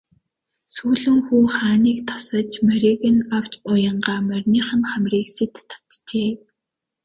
Сүүлэн хүү хааны тосож морийг нь авч уянгаа мориных нь хамрыг сэт татжээ.